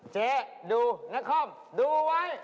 เจ๊ดูนักคล่อมดูไว้